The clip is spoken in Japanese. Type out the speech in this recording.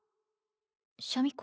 シャミ子？